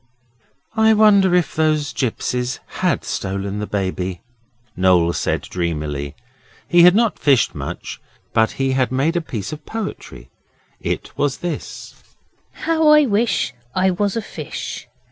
'I wonder if those gipsies HAD stolen the Baby?' Noel said dreamily. He had not fished much, but he had made a piece of poetry. It was this: 'How I wish I was a fish.